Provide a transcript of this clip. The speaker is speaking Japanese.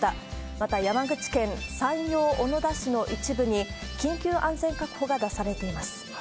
また、山口県山陽小野田市の一部に緊急安全確保が出されています。